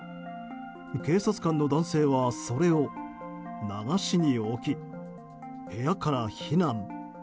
警察官の男性はそれを流しに置き部屋から避難。